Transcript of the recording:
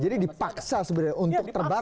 jadi dipaksa sebenarnya untuk terbatas